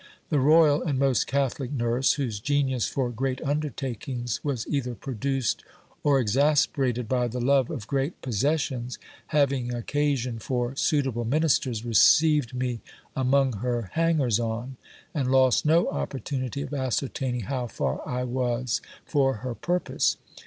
The royal and most catholic nurse, whose genius for great undertakings was either produced or exasperated by the love of great possessions, having occasion for suitable ministers, received me among her hangers on, and lost no opportunity of ascertaining how far I was for her purpose.